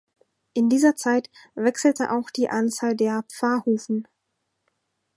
In dieser Zeit wechselte auch die Anzahl der Pfarrhufen.